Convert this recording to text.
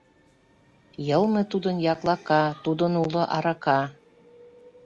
Йылме тудын яклака, тудын уло арака.